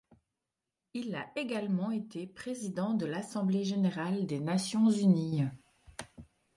Il a également été président de l'Assemblée générale des Nations unies.